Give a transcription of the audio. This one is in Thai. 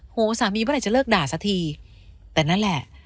สามีเมื่อไหร่จะเลิกด่าสักทีแต่นั่นแหละ